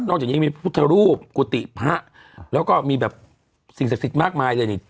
จากนี้มีพุทธรูปกุฏิพระแล้วก็มีแบบสิ่งศักดิ์สิทธิ์มากมายเลยนี่